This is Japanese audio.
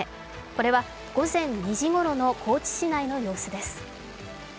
これは午前２時ごろの高知市内の様子です。